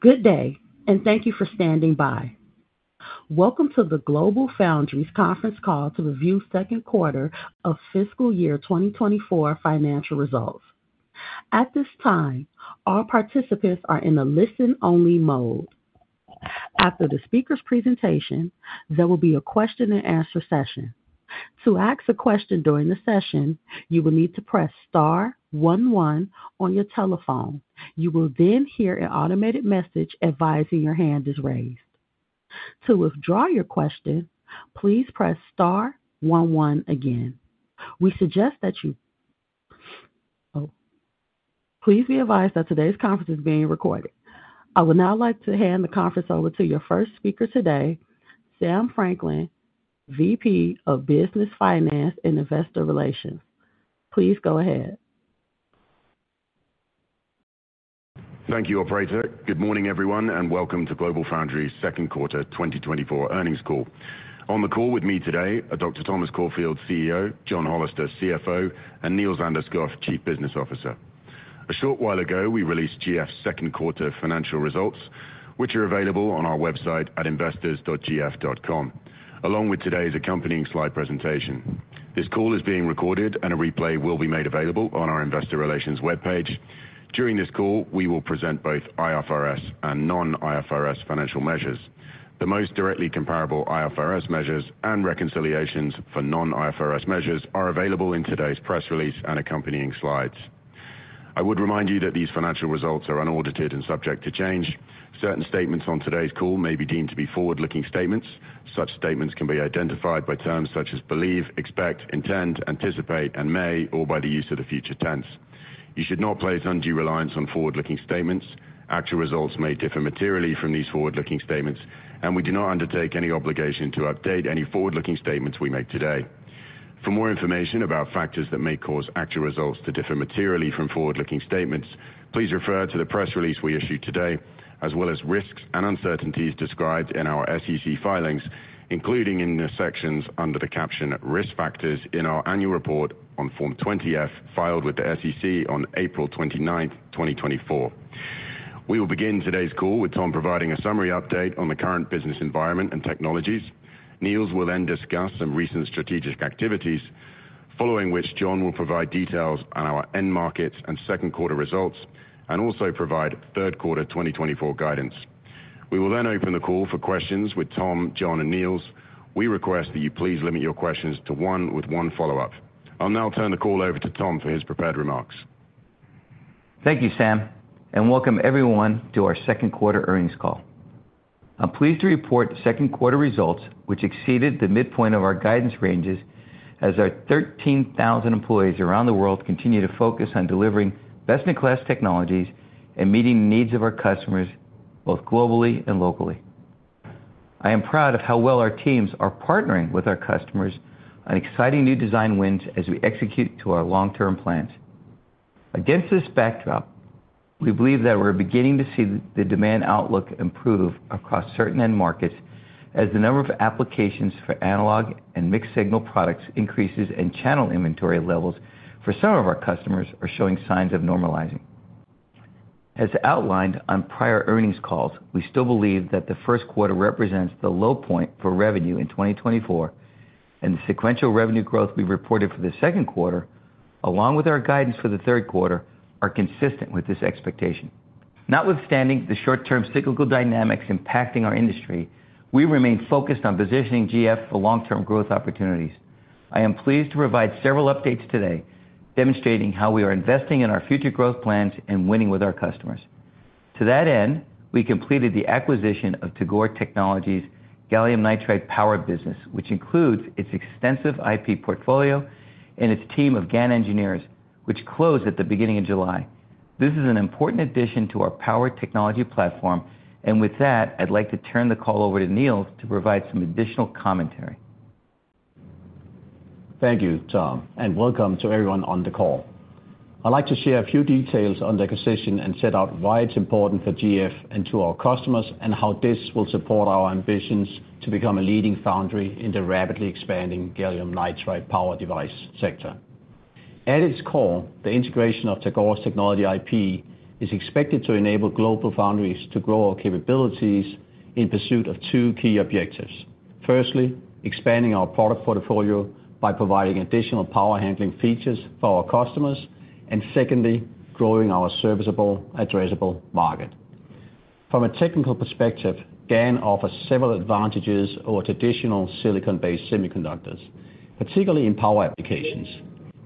Good day, and thank you for standing by. Welcome to the GlobalFoundries conference call to review second quarter of fiscal year 2024 financial results. At this time, all participants are in a listen-only mode. After the speaker's presentation, there will be a question-and-answer session. To ask a question during the session, you will need to press star 11 on your telephone. You will then hear an automated message advising your hand is raised. To withdraw your question, please press star 11 again. We suggest that you. Please be advised that today's conference is being recorded. I would now like to hand the conference over to your first speaker today, Sam Franklin, VP of Business Finance and Investor Relations. Please go ahead. Thank you, Operator. Good morning, everyone, and welcome to GlobalFoundries' second quarter 2024 earnings call. On the call with me today are Dr. Thomas Caulfield, CEO; John Hollister, CFO; and Niels Anderskouv, Chief Business Officer. A short while ago, we released GF's second quarter financial results, which are available on our website at investors.gf.com, along with today's accompanying slide presentation. This call is being recorded, and a replay will be made available on our investor relations webpage. During this call, we will present both IFRS and non-IFRS financial measures. The most directly comparable IFRS measures and reconciliations for non-IFRS measures are available in today's press release and accompanying slides. I would remind you that these financial results are unaudited and subject to change. Certain statements on today's call may be deemed to be forward-looking statements. Such statements can be identified by terms such as believe, expect, intend, anticipate, and may, or by the use of the future tense. You should not place undue reliance on forward-looking statements. Actual results may differ materially from these forward-looking statements, and we do not undertake any obligation to update any forward-looking statements we make today. For more information about factors that may cause actual results to differ materially from forward-looking statements, please refer to the press release we issued today, as well as risks and uncertainties described in our SEC filings, including in the sections under the caption risk factors in our annual report on Form 20-F filed with the SEC on April 29th, 2024. We will begin today's call with Tom providing a summary update on the current business environment and technologies. Niels will then discuss some recent strategic activities, following which John will provide details on our end markets and second quarter results, and also provide third quarter 2024 guidance. We will then open the call for questions with Tom, John, and Niels. We request that you please limit your questions to one with one follow-up. I'll now turn the call over to Tom for his prepared remarks. Thank you, Sam, and welcome everyone to our second quarter earnings call. I'm pleased to report second quarter results, which exceeded the midpoint of our guidance ranges, as our 13,000 employees around the world continue to focus on delivering best-in-class technologies and meeting the needs of our customers both globally and locally. I am proud of how well our teams are partnering with our customers on exciting new design wins as we execute to our long-term plans. Against this backdrop, we believe that we're beginning to see the demand outlook improve across certain end markets, as the number of applications for analog and mixed-signal products increases, and channel inventory levels for some of our customers are showing signs of normalizing. As outlined on prior earnings calls, we still believe that the first quarter represents the low point for revenue in 2024, and the sequential revenue growth we've reported for the second quarter, along with our guidance for the third quarter, are consistent with this expectation. Notwithstanding the short-term cyclical dynamics impacting our industry, we remain focused on positioning GF for long-term growth opportunities. I am pleased to provide several updates today, demonstrating how we are investing in our future growth plans and winning with our customers. To that end, we completed the acquisition of Tagore Technology's gallium nitride power business, which includes its extensive IP portfolio and its team of GaN engineers, which closed at the beginning of July. This is an important addition to our power technology platform, and with that, I'd like to turn the call over to Niels to provide some additional commentary. Thank you, Tom, and welcome to everyone on the call. I'd like to share a few details on the acquisition and set out why it's important for GF and to our customers, and how this will support our ambitions to become a leading foundry in the rapidly expanding gallium nitride power device sector. At its core, the integration of Tagore's technology IP is expected to enable GlobalFoundries to grow our capabilities in pursuit of two key objectives. Firstly, expanding our product portfolio by providing additional power handling features for our customers, and secondly, growing our serviceable, addressable market. From a technical perspective, GaN offers several advantages over traditional silicon-based semiconductors, particularly in power applications.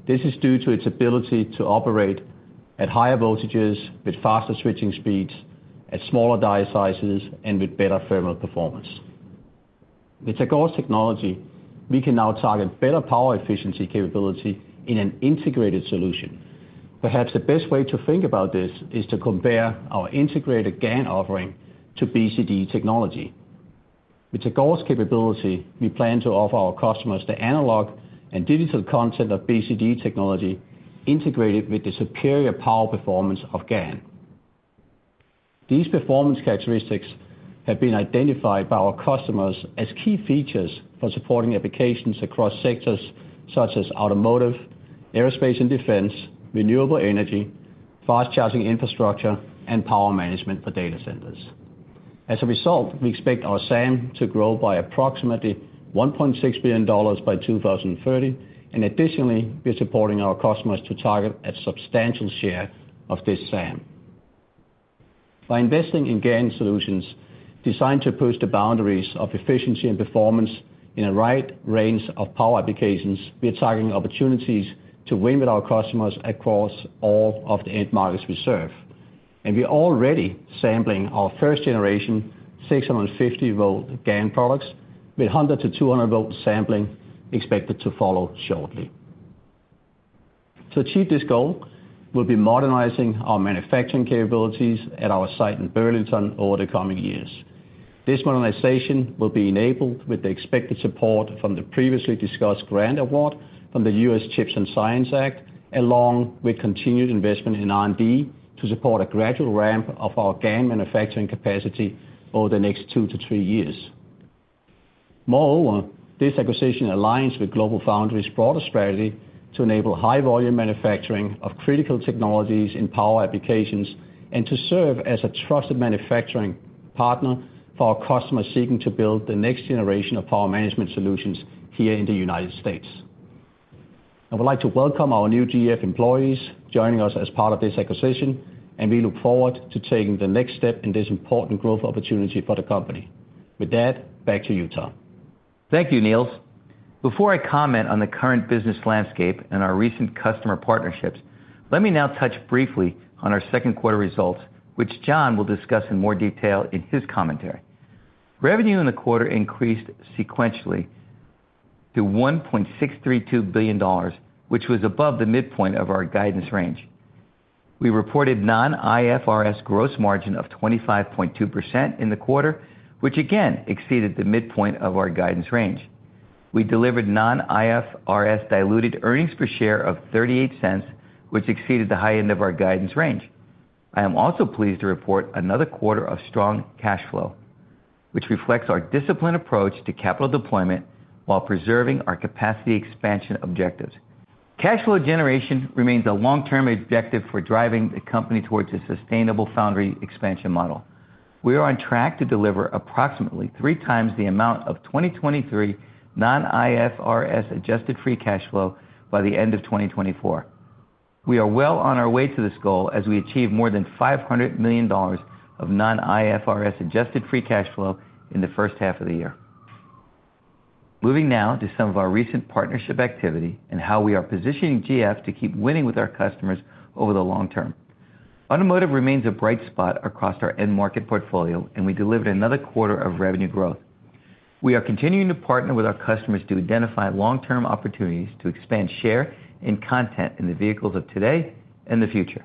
This is due to its ability to operate at higher voltages with faster switching speeds, at smaller die sizes, and with better thermal performance. With Tagore's technology, we can now target better power efficiency capability in an integrated solution. Perhaps the best way to think about this is to compare our integrated GaN offering to BCD technology. With Tagore's capability, we plan to offer our customers the analog and digital content of BCD technology integrated with the superior power performance of GaN. These performance characteristics have been identified by our customers as key features for supporting applications across sectors such as automotive, aerospace and defense, renewable energy, fast charging infrastructure, and power management for data centers. As a result, we expect our SAM to grow by approximately $1.6 billion by 2030, and additionally, we're supporting our customers to target a substantial share of this SAM. By investing in GaN solutions designed to push the boundaries of efficiency and performance in a wide range of power applications, we are targeting opportunities to win with our customers across all of the end markets we serve. And we are already sampling our first-generation 650-volt GaN products with 100- to 200-volt sampling expected to follow shortly. To achieve this goal, we'll be modernizing our manufacturing capabilities at our site in Burlington over the coming years. This modernization will be enabled with the expected support from the previously discussed grant award from the U.S. CHIPS and Science Act, along with continued investment in R&D to support a gradual ramp of our GaN manufacturing capacity over the next two to three years. Moreover, this acquisition aligns with GlobalFoundries' broader strategy to enable high-volume manufacturing of critical technologies in power applications and to serve as a trusted manufacturing partner for our customers seeking to build the next generation of power management solutions here in the United States. I would like to welcome our new GF employees joining us as part of this acquisition, and we look forward to taking the next step in this important growth opportunity for the company. With that, back to you, Tom. Thank you, Niels. Before I comment on the current business landscape and our recent customer partnerships, let me now touch briefly on our second quarter results, which John will discuss in more detail in his commentary. Revenue in the quarter increased sequentially to $1.632 billion, which was above the midpoint of our guidance range. We reported non-IFRS gross margin of 25.2% in the quarter, which again exceeded the midpoint of our guidance range. We delivered non-IFRS diluted earnings per share of $0.38, which exceeded the high end of our guidance range. I am also pleased to report another quarter of strong cash flow, which reflects our disciplined approach to capital deployment while preserving our capacity expansion objectives. Cash flow generation remains a long-term objective for driving the company towards a sustainable foundry expansion model. We are on track to deliver approximately three times the amount of 2023 non-IFRS adjusted free cash flow by the end of 2024. We are well on our way to this goal as we achieve more than $500 million of non-IFRS adjusted free cash flow in the first half of the year. Moving now to some of our recent partnership activity and how we are positioning GF to keep winning with our customers over the long term. Automotive remains a bright spot across our end market portfolio, and we delivered another quarter of revenue growth. We are continuing to partner with our customers to identify long-term opportunities to expand share in content in the vehicles of today and the future.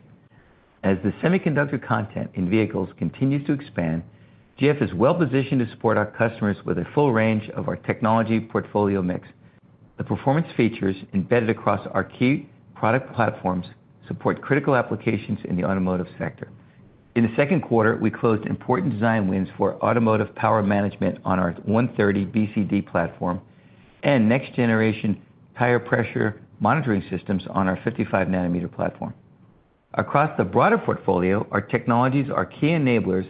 As the semiconductor content in vehicles continues to expand, GF is well positioned to support our customers with a full range of our technology portfolio mix. The performance features embedded across our key product platforms support critical applications in the automotive sector. In the second quarter, we closed important design wins for automotive power management on our 130BCD platform and next-generation tire pressure monitoring systems on our 55nm platform. Across the broader portfolio, our technologies are key enablers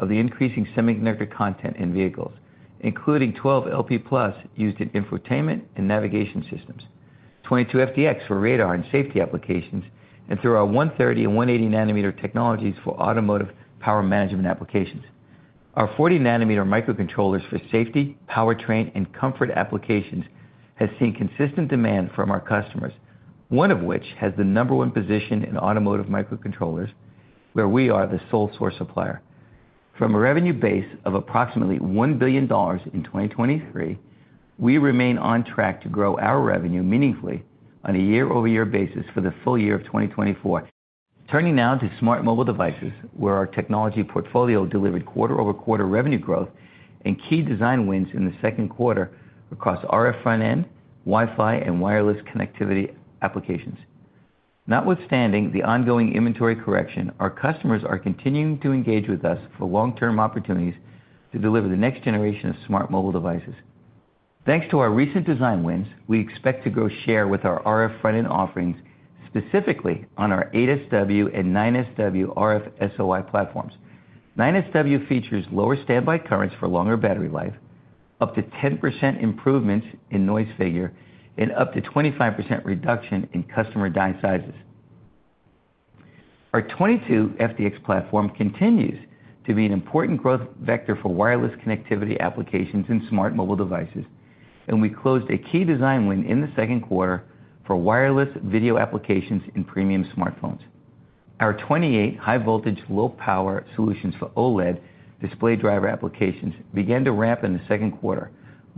of the increasing semiconductor content in vehicles, including 12LP+ used in infotainment and navigation systems, 22FDX for radar and safety applications, and through our 130 and 180 nm technologies for automotive power management applications. Our 40nm microcontrollers for safety, powertrain, and comfort applications have seen consistent demand from our customers, one of which has the number one position in automotive microcontrollers, where we are the sole source supplier. From a revenue base of approximately $1 billion in 2023, we remain on track to grow our revenue meaningfully on a year-over-year basis for the full year of 2024. Turning now to smart mobile devices, where our technology portfolio delivered quarter-over-quarter revenue growth and key design wins in the second quarter across RF front-end, Wi-Fi, and wireless connectivity applications. Notwithstanding the ongoing inventory correction, our customers are continuing to engage with us for long-term opportunities to deliver the next generation of smart mobile devices. Thanks to our recent design wins, we expect to grow share with our RF front-end offerings, specifically on our 8SW and 9SW RF SOI platforms. 9SW features lower standby currents for longer battery life, up to 10% improvements in noise figure, and up to 25% reduction in customer die sizes. Our 22FDX platform continues to be an important growth vector for wireless connectivity applications and smart mobile devices, and we closed a key design win in the second quarter for wireless video applications in premium smartphones. Our 28nm High-Voltage low-power solutions for OLED display driver applications began to ramp in the second quarter.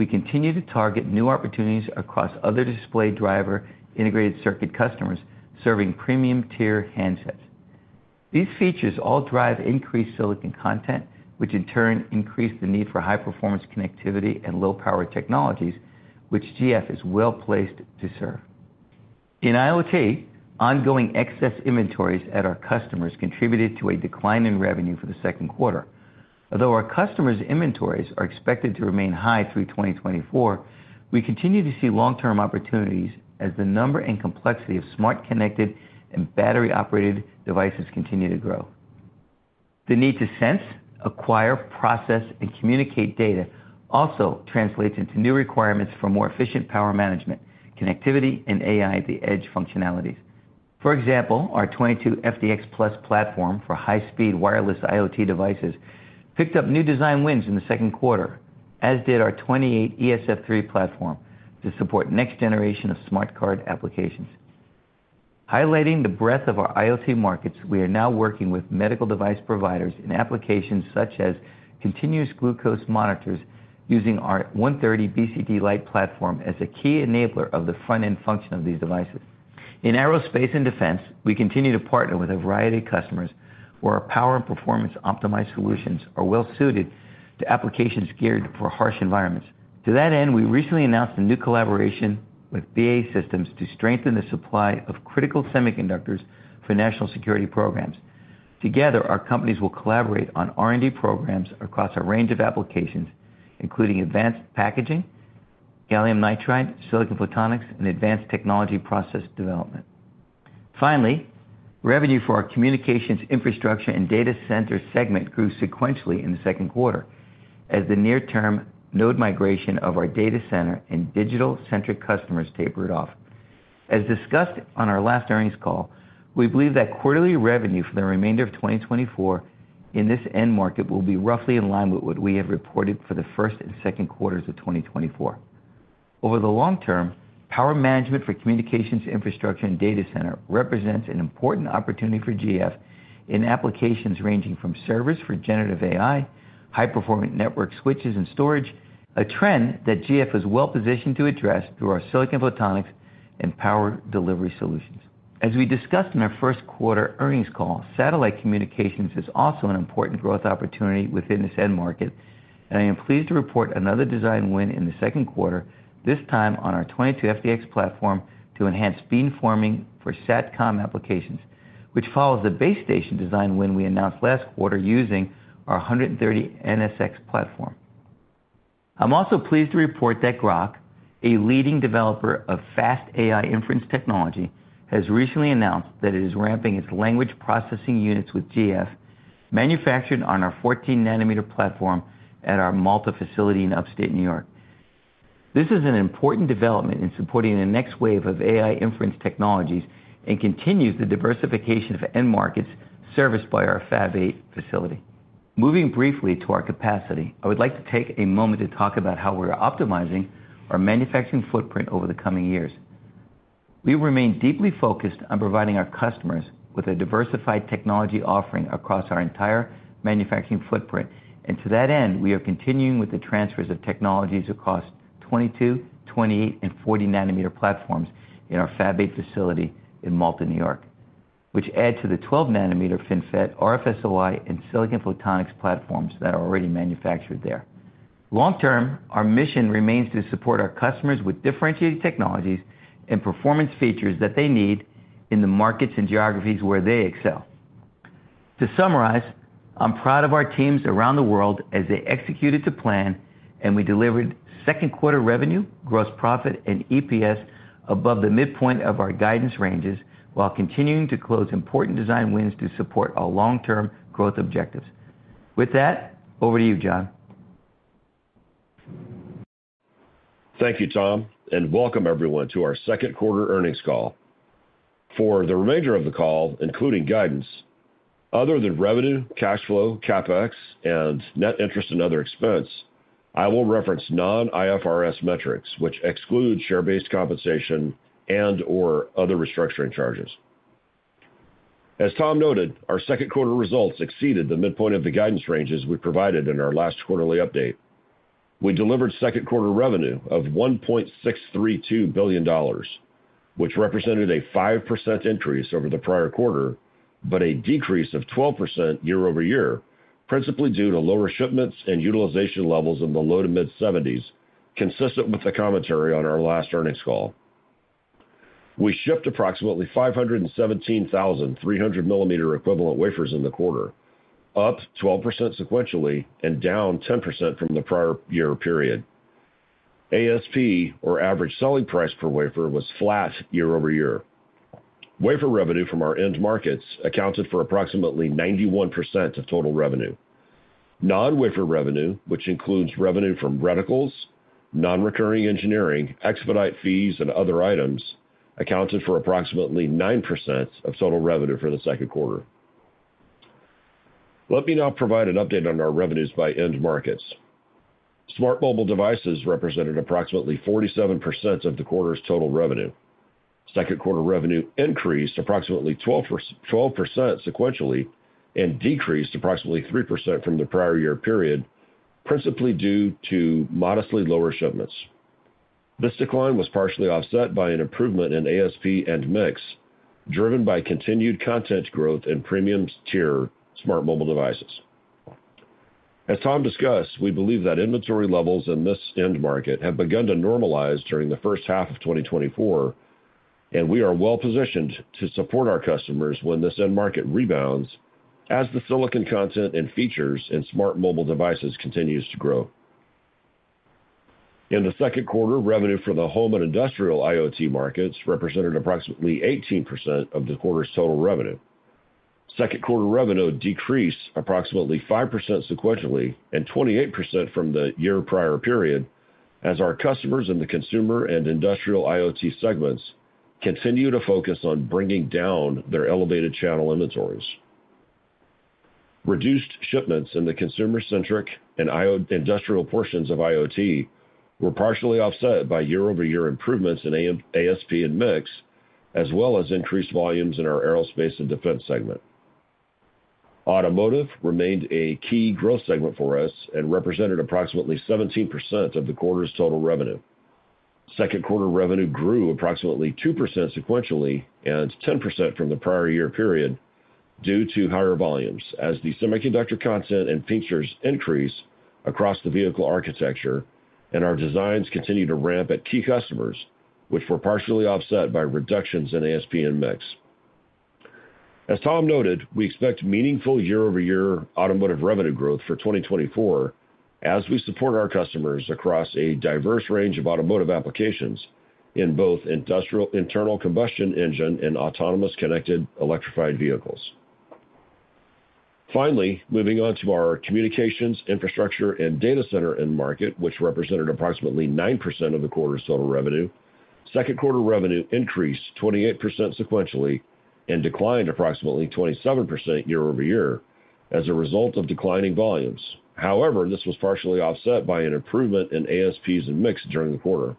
We continue to target new opportunities across other display driver integrated circuit customers serving premium-tier handsets. These features all drive increased silicon content, which in turn increased the need for high-performance connectivity and low-power technologies, which GF is well placed to serve. In IoT, ongoing excess inventories at our customers contributed to a decline in revenue for the second quarter. Although our customers' inventories are expected to remain high through 2024, we continue to see long-term opportunities as the number and complexity of smart connected and battery-operated devices continue to grow. The need to sense, acquire, process, and communicate data also translates into new requirements for more efficient power management, connectivity, and AI at the edge functionalities. For example, our 22FDX+ platform for high-speed wireless IoT devices picked up new design wins in the second quarter, as did our 28ESF3 platform to support next-generation of smart card applications. Highlighting the breadth of our IoT markets, we are now working with medical device providers in applications such as continuous glucose monitors using our 130 BCDLite platform as a key enabler of the front-end function of these devices. In aerospace and defense, we continue to partner with a variety of customers where our power and performance-optimized solutions are well suited to applications geared for harsh environments. To that end, we recently announced a new collaboration with BAE Systems to strengthen the supply of critical semiconductors for national security programs. Together, our companies will collaborate on R&D programs across a range of applications, including advanced packaging, gallium nitride, silicon photonics, and advanced technology process development. Finally, revenue for our communications infrastructure and data center segment grew sequentially in the second quarter as the near-term node migration of our data center and digital-centric customers tapered off. As discussed on our last earnings call, we believe that quarterly revenue for the remainder of 2024 in this end market will be roughly in line with what we have reported for the first and second quarters of 2024. Over the long term, power management for communications infrastructure and data center represents an important opportunity for GF in applications ranging from servers for generative AI, high-performing network switches and storage, a trend that GF is well positioned to address through our silicon photonics and power delivery solutions. As we discussed in our first quarter earnings call, satellite communications is also an important growth opportunity within this end market, and I am pleased to report another design win in the second quarter, this time on our 22FDX platform to enhance beamforming for SATCOM applications, which follows the base station design win we announced last quarter using our 130NSX platform. I'm also pleased to report that Groq, a leading developer of fast AI inference technology, has recently announced that it is ramping its language processing units with GF, manufactured on our 14nm platform at our Malta facility in Upstate New York. This is an important development in supporting the next wave of AI inference technologies and continues the diversification of end markets serviced by our Fab 8 facility. Moving briefly to our capacity, I would like to take a moment to talk about how we're optimizing our manufacturing footprint over the coming years. We remain deeply focused on providing our customers with a diversified technology offering across our entire manufacturing footprint, and to that end, we are continuing with the transfers of technologies across 22, 28, and 40-nanometer platforms in our Fab 8 facility in Malta, New York, which add to the 12-nanometer FinFET, RF SOI, and silicon photonics platforms that are already manufactured there. Long-term, our mission remains to support our customers with differentiated technologies and performance features that they need in the markets and geographies where they excel. To summarize, I'm proud of our teams around the world as they executed to plan, and we delivered second quarter revenue, gross profit, and EPS above the midpoint of our guidance ranges while continuing to close important design wins to support our long-term growth objectives. With that, over to you, John. Thank you, Tom, and welcome everyone to our second quarter earnings call. For the remainder of the call, including guidance, other than revenue, cash flow, CapEx, and net interest and other expense, I will reference non-IFRS metrics, which exclude share-based compensation and/or other restructuring charges. As Tom noted, our second quarter results exceeded the midpoint of the guidance ranges we provided in our last quarterly update. We delivered second quarter revenue of $1.632 billion, which represented a 5% increase over the prior quarter, but a decrease of 12% year-over-year, principally due to lower shipments and utilization levels in the low to mid-70s, consistent with the commentary on our last earnings call. We shipped approximately 517,300 mm equivalent wafers in the quarter, up 12% sequentially and down 10% from the prior year period. ASP, or average selling price per wafer, was flat year-over-year. Wafer revenue from our end markets accounted for approximately 91% of total revenue. Non-wafer revenue, which includes revenue from reticles, non-recurring engineering, expedite fees, and other items, accounted for approximately 9% of total revenue for the second quarter. Let me now provide an update on our revenues by end markets. Smart mobile devices represented approximately 47% of the quarter's total revenue. Second quarter revenue increased approximately 12% sequentially and decreased approximately 3% from the prior year period, principally due to modestly lower shipments. This decline was partially offset by an improvement in ASP end mix driven by continued content growth in premium-tier smart mobile devices. As Tom discussed, we believe that inventory levels in this end market have begun to normalize during the first half of 2024, and we are well positioned to support our customers when this end market rebounds as the silicon content and features in smart mobile devices continues to grow. In the second quarter, revenue for the home and industrial IoT markets represented approximately 18% of the quarter's total revenue. Second quarter revenue decreased approximately 5% sequentially and 28% from the year prior period as our customers in the consumer and industrial IoT segments continue to focus on bringing down their elevated channel inventories. Reduced shipments in the consumer-centric and industrial portions of IoT were partially offset by year-over-year improvements in ASP and mix, as well as increased volumes in our aerospace and defense segment. Automotive remained a key growth segment for us and represented approximately 17% of the quarter's total revenue. Second quarter revenue grew approximately 2% sequentially and 10% from the prior year period due to higher volumes as the semiconductor content and features increased across the vehicle architecture, and our designs continued to ramp at key customers, which were partially offset by reductions in ASP and mix. As Tom noted, we expect meaningful year-over-year automotive revenue growth for 2024 as we support our customers across a diverse range of automotive applications in both industrial internal combustion engine and autonomous connected electrified vehicles. Finally, moving on to our communications infrastructure and data center end market, which represented approximately 9% of the quarter's total revenue, second quarter revenue increased 28% sequentially and declined approximately 27% year-over-year as a result of declining volumes. However, this was partially offset by an improvement in ASPs and mix during the quarter.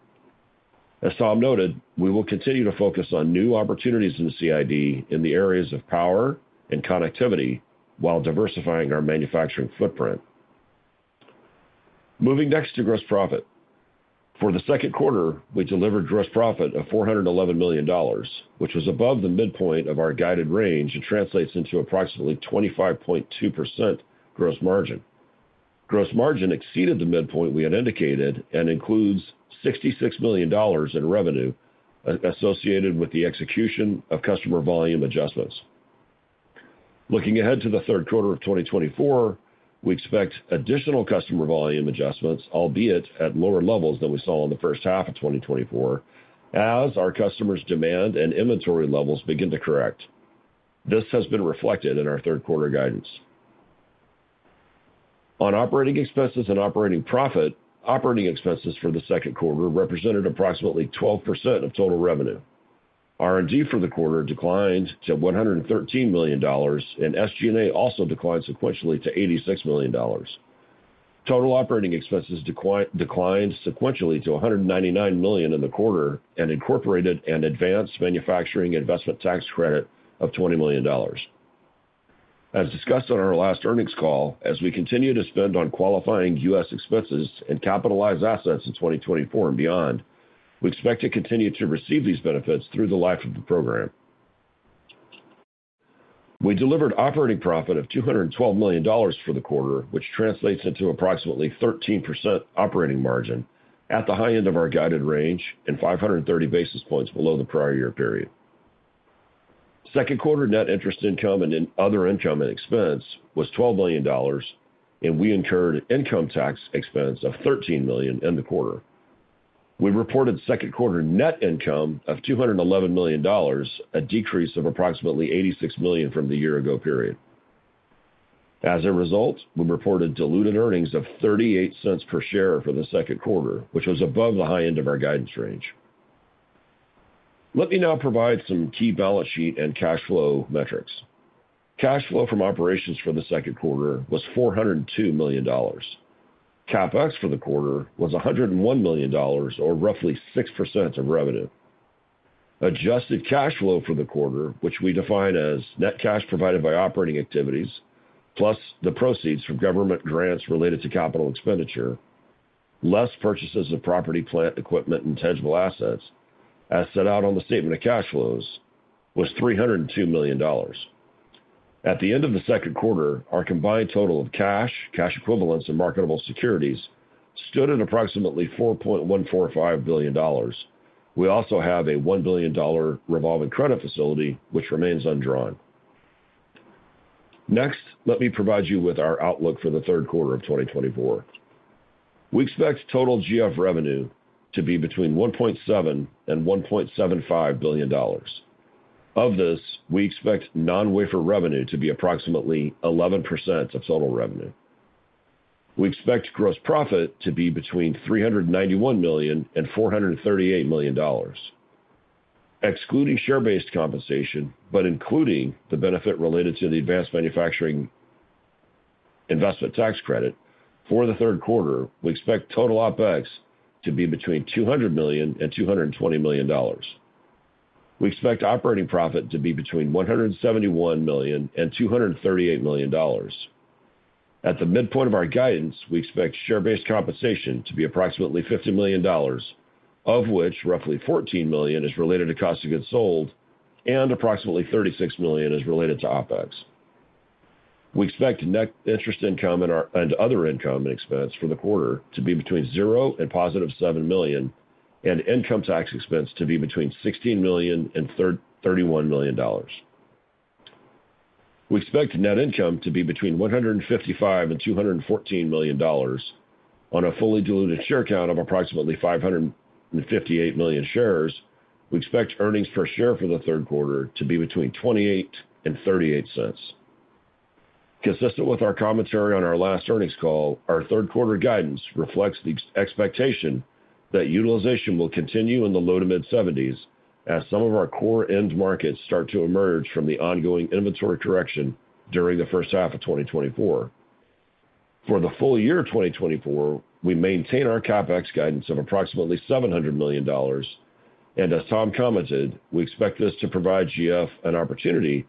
As Tom noted, we will continue to focus on new opportunities in CID in the areas of power and connectivity while diversifying our manufacturing footprint. Moving next to gross profit. For the second quarter, we delivered gross profit of $411 million, which was above the midpoint of our guided range and translates into approximately 25.2% gross margin. Gross margin exceeded the midpoint we had indicated and includes $66 million in revenue associated with the execution of customer volume adjustments. Looking ahead to the third quarter of 2024, we expect additional customer volume adjustments, albeit at lower levels than we saw in the first half of 2024, as our customers' demand and inventory levels begin to correct. This has been reflected in our third quarter guidance. On operating expenses and operating profit, operating expenses for the second quarter represented approximately 12% of total revenue. R&D for the quarter declined to $113 million, and SG&A also declined sequentially to $86 million. Total operating expenses declined sequentially to $199 million in the quarter and incorporated an advanced manufacturing investment tax credit of $20 million. As discussed on our last earnings call, as we continue to spend on qualifying U.S. expenses and capitalized assets in 2024 and beyond, we expect to continue to receive these benefits through the life of the program. We delivered operating profit of $212 million for the quarter, which translates into approximately 13% operating margin at the high end of our guided range and 530 basis points below the prior year period. Second quarter net interest income and other income and expense was $12 million, and we incurred income tax expense of $13 million in the quarter. We reported second quarter net income of $211 million, a decrease of approximately $86 million from the year-ago period. As a result, we reported diluted earnings of $0.38 per share for the second quarter, which was above the high end of our guidance range. Let me now provide some key balance sheet and cash flow metrics. Cash flow from operations for the second quarter was $402 million. CapEx for the quarter was $101 million, or roughly 6% of revenue. Adjusted cash flow for the quarter, which we define as net cash provided by operating activities plus the proceeds from government grants related to capital expenditure, less purchases of property, plant, equipment, and tangible assets, as set out on the statement of cash flows, was $302 million. At the end of the second quarter, our combined total of cash, cash equivalents, and marketable securities stood at approximately $4.145 billion. We also have a $1 billion revolving credit facility, which remains undrawn. Next, let me provide you with our outlook for the third quarter of 2024. We expect total GF revenue to be between $1.7-$1.75 billion. Of this, we expect non-wafer revenue to be approximately 11% of total revenue. We expect gross profit to be between $391-$438 million, excluding share-based compensation, but including the benefit related to the advanced manufacturing investment tax credit. For the third quarter, we expect total OpEx to be between $200 million-$220 million. We expect operating profit to be between $171 million-$238 million. At the midpoint of our guidance, we expect share-based compensation to be approximately $50 million, of which roughly $14 million is related to cost of goods sold and approximately $36 million is related to OpEx. We expect net interest income and other income and expense for the quarter to be between $0 and +$7 million, and income tax expense to be between $16 million-$31 million. We expect net income to be between $155-$214 million on a fully diluted share count of approximately 558 million shares. We expect earnings per share for the third quarter to be between $0.28-$0.38. Consistent with our commentary on our last earnings call, our third quarter guidance reflects the expectation that utilization will continue in the low- to mid-70s as some of our core end markets start to emerge from the ongoing inventory correction during the first half of 2024. For the full year 2024, we maintain our CapEx guidance of approximately $700 million, and as Tom commented, we expect this to provide GF an opportunity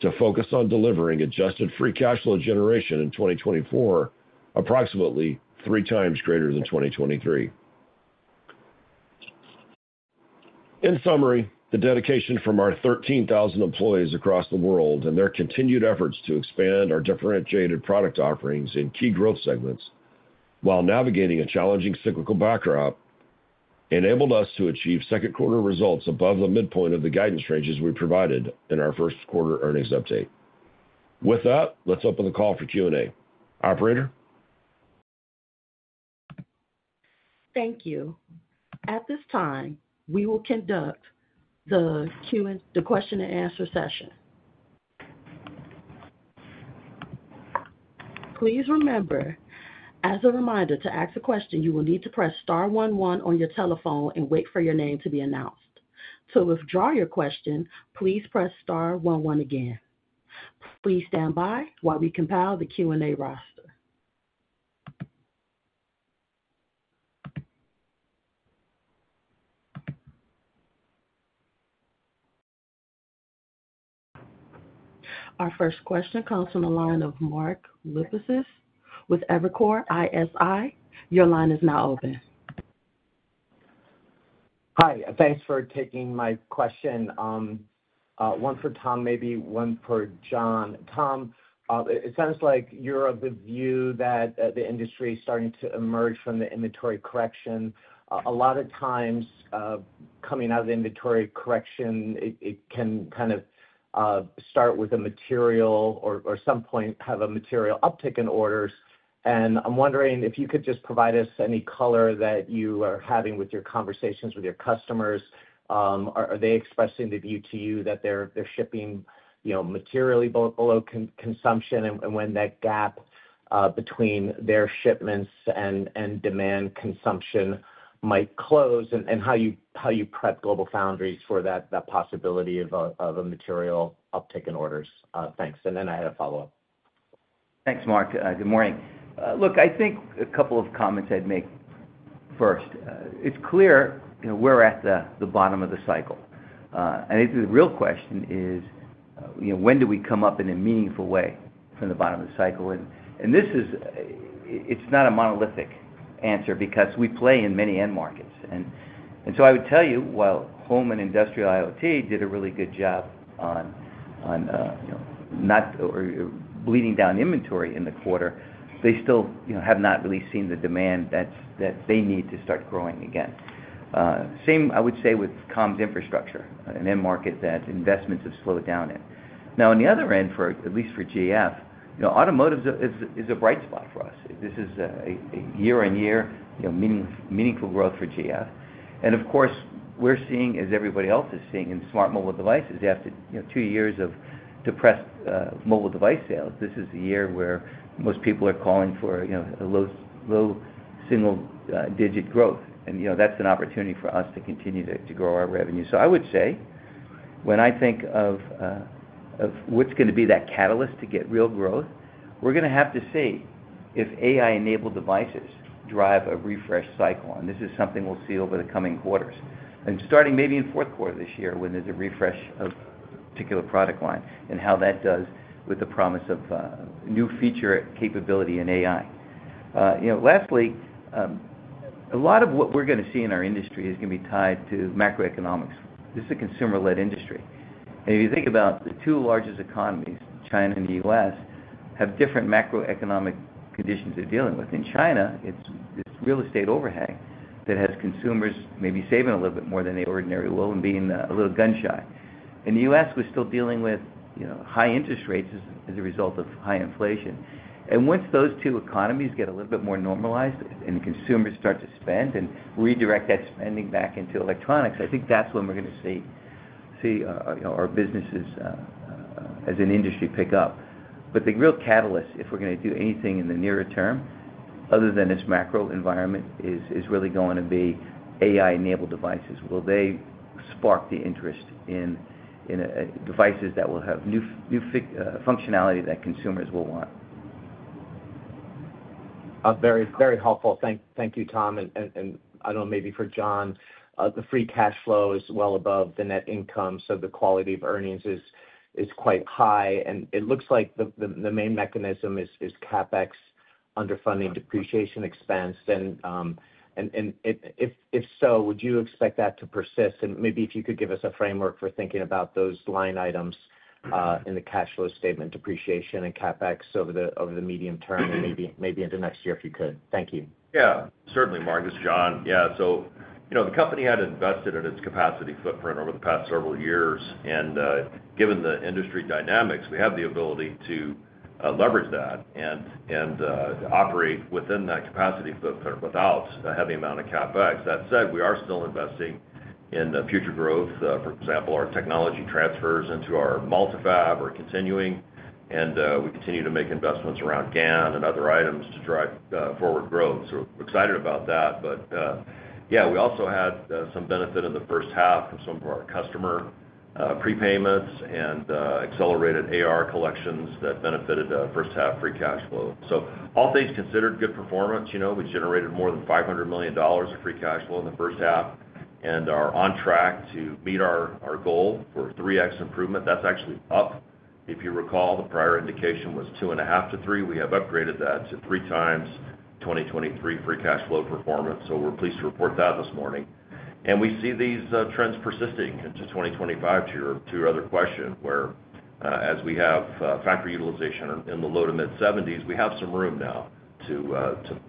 to focus on delivering adjusted free cash flow generation in 2024, approximately three times greater than 2023. In summary, the dedication from our 13,000 employees across the world and their continued efforts to expand our differentiated product offerings in key growth segments while navigating a challenging cyclical backdrop enabled us to achieve second quarter results above the midpoint of the guidance ranges we provided in our first quarter earnings update. With that, let's open the call for Q&A. Operator. Thank you. At this time, we will conduct the question and answer session. Please remember, as a reminder to ask a question, you will need to press star 11 on your telephone and wait for your name to be announced. To withdraw your question, please press star 11 again. Please stand by while we compile the Q&A roster. Our first question comes from the line of Mark Lipacis with Evercore ISI. Your line is now open. Hi. Thanks for taking my question. One for Tom, maybe one for John. Tom, it sounds like you're of the view that the industry is starting to emerge from the inventory correction. A lot of times coming out of the inventory correction, it can kind of start with a material or at some point have a material uptick in orders. And I'm wondering if you could just provide us any color that you are having with your conversations with your customers. Are they expressing the view to you that they're shipping materially below consumption and when that gap between their shipments and demand consumption might close and how you prep GlobalFoundries for that possibility of a material uptick in orders? Thanks. And then I had a follow-up. Thanks, Mark. Good morning. Look, I think a couple of comments I'd make first. It's clear we're at the bottom of the cycle. I think the real question is, when do we come up in a meaningful way from the bottom of the cycle? And it's not a monolithic answer because we play in many end markets. And so I would tell you, while home and industrial IoT did a really good job on not bleeding down inventory in the quarter, they still have not really seen the demand that they need to start growing again. Same, I would say, with comms infrastructure, an end market that investments have slowed down in. Now, on the other end, at least for GF, automotive is a bright spot for us. This is a year-on-year meaningful growth for GF. And of course, we're seeing, as everybody else is seeing, in smart mobile devices, after two years of depressed mobile device sales, this is the year where most people are calling for low single-digit growth. And that's an opportunity for us to continue to grow our revenue. So I would say, when I think of what's going to be that catalyst to get real growth, we're going to have to see if AI-enabled devices drive a refresh cycle. And this is something we'll see over the coming quarters, starting maybe in fourth quarter this year when there's a refresh of a particular product line and how that does with the promise of new feature capability in AI. Lastly, a lot of what we're going to see in our industry is going to be tied to macroeconomics. This is a consumer-led industry. If you think about the two largest economies, China and the U.S., have different macroeconomic conditions they're dealing with. In China, it's real estate overhang that has consumers maybe saving a little bit more than they ordinarily will and being a little gun shy. In the U.S., we're still dealing with high interest rates as a result of high inflation. Once those two economies get a little bit more normalized and consumers start to spend and redirect that spending back into electronics, I think that's when we're going to see our businesses as an industry pick up. The real catalyst, if we're going to do anything in the nearer term other than this macro environment, is really going to be AI-enabled devices. Will they spark the interest in devices that will have new functionality that consumers will want? Very helpful. Thank you, Tom. And I don't know, maybe for John, the free cash flow is well above the net income, so the quality of earnings is quite high. And it looks like the main mechanism is CapEx underfunding depreciation expense. And if so, would you expect that to persist? And maybe if you could give us a framework for thinking about those line items in the cash flow statement, depreciation, and CapEx over the medium term and maybe into next year if you could. Thank you. Yeah, certainly, Mark. This is John. Yeah. So the company had invested in its capacity footprint over the past several years. Given the industry dynamics, we have the ability to leverage that and operate within that capacity footprint without a heavy amount of CapEx. That said, we are still investing in future growth. For example, our technology transfers into our Malta fab are continuing. We continue to make investments around GaN and other items to drive forward growth. So we're excited about that. But yeah, we also had some benefit in the first half from some of our customer prepayments and accelerated AR collections that benefited the first half free cash flow. So all things considered, good performance. We generated more than $500 million of free cash flow in the first half and are on track to meet our goal for 3x improvement. That's actually up. If you recall, the prior indication was 2.5-3. We have upgraded that to 3x 2023 free cash flow performance. So we're pleased to report that this morning. And we see these trends persisting into 2025, to your other question, whereas we have factory utilization in the low- to mid-70s, we have some room now to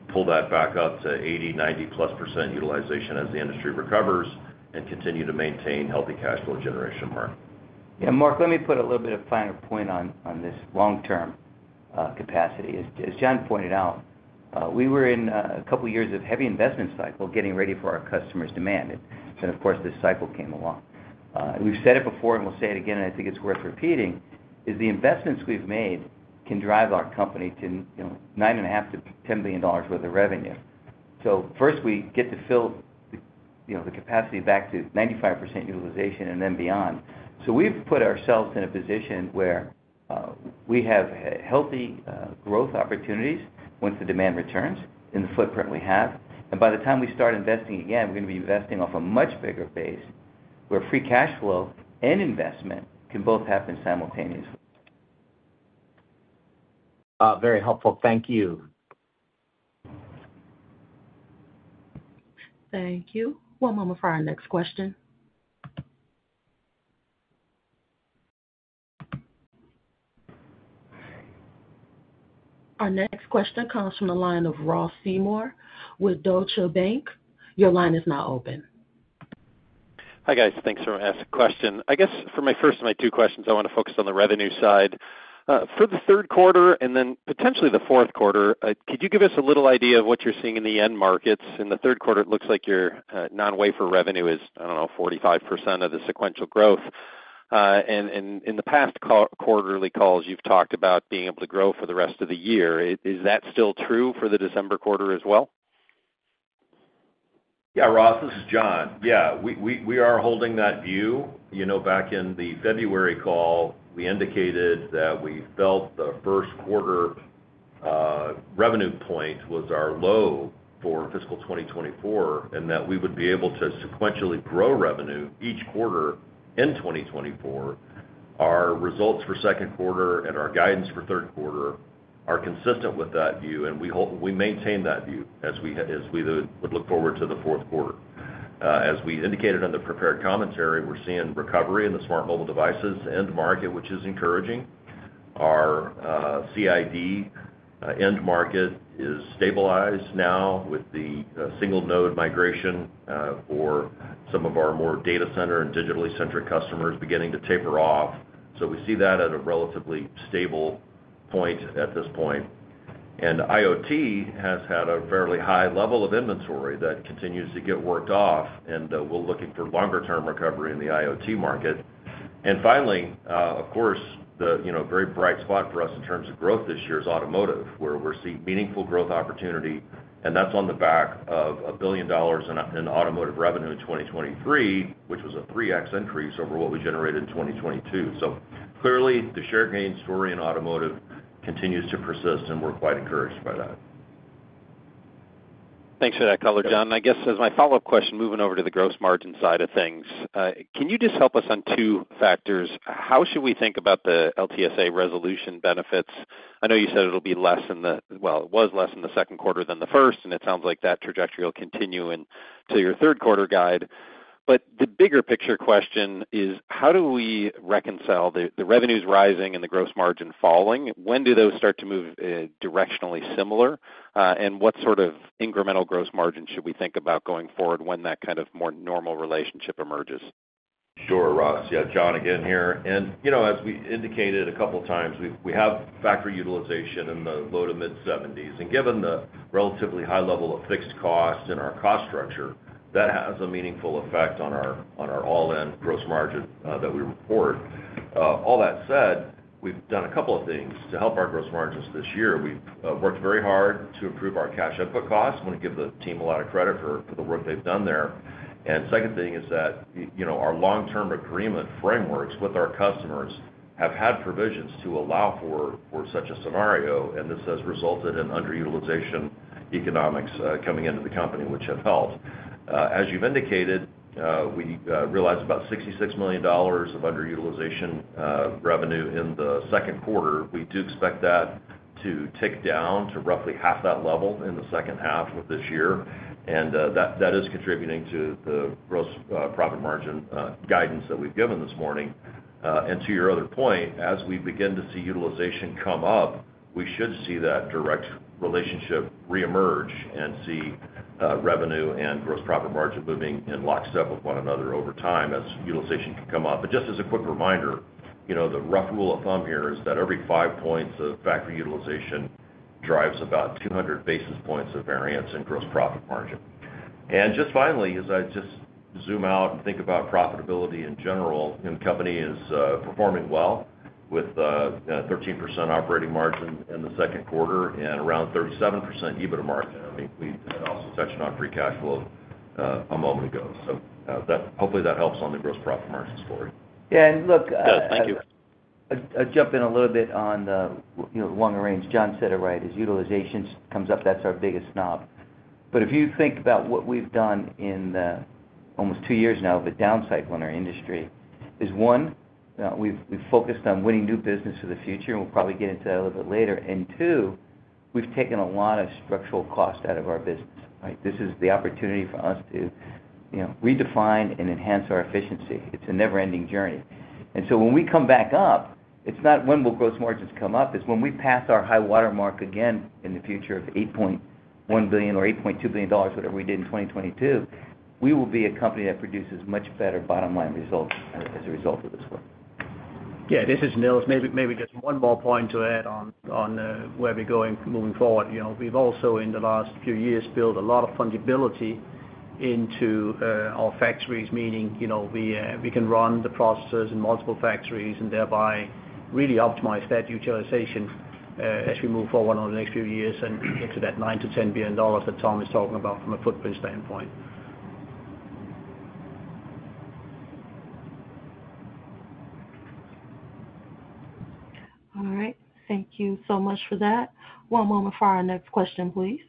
pull that back up to 80-90+% utilization as the industry recovers and continue to maintain healthy cash flow generation, Mark. Yeah, Mark, let me put a little bit of finer point on this long-term capacity. As John pointed out, we were in a couple of years of heavy investment cycle getting ready for our customers' demand. And of course, this cycle came along. We've said it before and we'll say it again, and I think it's worth repeating, is the investments we've made can drive our company to $9.5-$10 million worth of revenue. So first, we get to fill the capacity back to 95% utilization and then beyond. So we've put ourselves in a position where we have healthy growth opportunities once the demand returns in the footprint we have. And by the time we start investing again, we're going to be investing off a much bigger base where free cash flow and investment can both happen simultaneously. Very helpful. Thank you. Thank you. One moment for our next question. Our next question comes from the line of Ross Seymore with Deutsche Bank. Your line is now open. Hi guys. Thanks for asking the question. I guess for my first and my two questions, I want to focus on the revenue side. For the third quarter and then potentially the fourth quarter, could you give us a little idea of what you're seeing in the end markets? In the third quarter, it looks like your non-wafer revenue is, I don't know, 45% of the sequential growth. In the past quarterly calls, you've talked about being able to grow for the rest of the year. Is that still true for the December quarter as well? Yeah, Ross, this is John. Yeah, we are holding that view. Back in the February call, we indicated that we felt the first quarter revenue point was our low for fiscal 2024 and that we would be able to sequentially grow revenue each quarter in 2024. Our results for second quarter and our guidance for third quarter are consistent with that view. We maintain that view as we would look forward to the fourth quarter. As we indicated in the prepared commentary, we're seeing recovery in the smart mobile devices end market, which is encouraging. Our CID end market is stabilized now with the single node migration for some of our more data center and digitally centered customers beginning to taper off. We see that at a relatively stable point at this point. IoT has had a fairly high level of inventory that continues to get worked off. We're looking for longer-term recovery in the IoT market. Finally, of course, the very bright spot for us in terms of growth this year is automotive, where we're seeing meaningful growth opportunity. That's on the back of $1 billion in automotive revenue in 2023, which was a 3x increase over what we generated in 2022. Clearly, the share gain story in automotive continues to persist, and we're quite encouraged by that. Thanks for that color, John. And I guess as my follow-up question, moving over to the gross margin side of things, can you just help us on two factors? How should we think about the LTSA resolution benefits? I know you said it'll be less in the, well, it was less in the second quarter than the first, and it sounds like that trajectory will continue into your third quarter guide. But the bigger picture question is, how do we reconcile the revenues rising and the gross margin falling? When do those start to move directionally similar? And what sort of incremental gross margin should we think about going forward when that kind of more normal relationship emerges? Sure, Ross. Yeah, John again here. As we indicated a couple of times, we have factory utilization in the low-to-mid-70s%. Given the relatively high level of fixed costs in our cost structure, that has a meaningful effect on our all-in gross margin that we report. All that said, we've done a couple of things to help our gross margins this year. We've worked very hard to improve our cash input costs. I want to give the team a lot of credit for the work they've done there. Second thing is that our long-term agreement frameworks with our customers have had provisions to allow for such a scenario. This has resulted in underutilization economics coming into the company, which have helped. As you've indicated, we realized about $66 million of underutilization revenue in the second quarter. We do expect that to tick down to roughly half that level in the second half of this year. And that is contributing to the gross profit margin guidance that we've given this morning. And to your other point, as we begin to see utilization come up, we should see that direct relationship reemerge and see revenue and gross profit margin moving in lockstep with one another over time as utilization can come up. But just as a quick reminder, the rough rule of thumb here is that every 5 points of factory utilization drives about 200 basis points of variance in gross profit margin. And just finally, as I just zoom out and think about profitability in general, the company is performing well with a 13% operating margin in the second quarter and around 37% EBITDA margin. I mean, we also touched on free cash flow a moment ago. Hopefully that helps on the gross profit margin story. Yeah. And look. Yeah, thank you. I'll jump in a little bit on the longer range. John said it right. As utilization comes up, that's our biggest knob. But if you think about what we've done in almost two years now of a downside on our industry is, one, we've focused on winning new business for the future, and we'll probably get into that a little bit later. And two, we've taken a lot of structural cost out of our business. This is the opportunity for us to redefine and enhance our efficiency. It's a never-ending journey. And so when we come back up, it's not when will gross margins come up. It's when we pass our high watermark again in the future of $8.1 billion or $8.2 billion, whatever we did in 2022, we will be a company that produces much better bottom-line results as a result of this work. Yeah, this is Niels. Maybe just one more point to add on where we're going moving forward. We've also, in the last few years, built a lot of fungibility into our factories, meaning we can run the processors in multiple factories and thereby really optimize that utilization as we move forward in the next few years and get to that $9-$10 billion that Tom is talking about from a footprint standpoint. All right. Thank you so much for that. One moment for our next question, please.